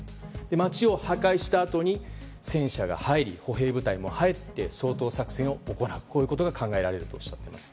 街を破壊したあとに戦車が入り歩兵部隊も入って掃討作戦を行うことが考えられるとおっしゃっています。